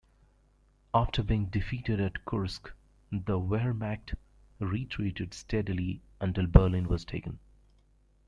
After being defeated at Kursk, the Wehrmacht retreated steadily until Berlin was taken.